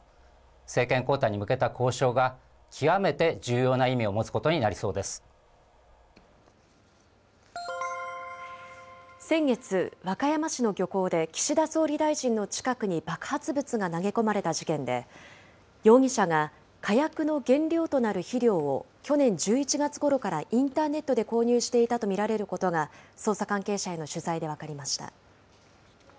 政権交代に向けた交渉が極めて重要な意味を持つことになりそうで先月、和歌山市の漁港で岸田総理大臣の近くに爆発物が投げ込まれた事件で、容疑者が火薬の原料となる肥料を去年１１月ごろから、インターネットで購入していたと見られることが、捜査関係者への取材で分かりました。